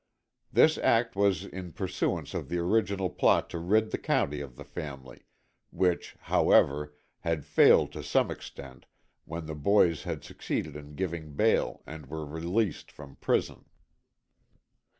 This act was in pursuance of the original plot to rid the county of the family, which, however, had failed to some extent when the boys had succeeded in giving bail and were released from prison.